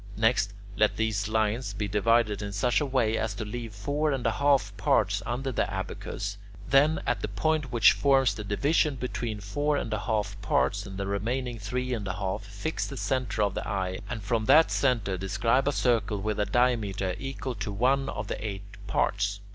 Next, let these lines be divided in such a way as to leave four and a half parts under the abacus; then, at the point which forms the division between the four and a half parts and the remaining three and a half, fix the centre of the eye, and from that centre describe a circle with a diameter equal to one of the eight parts.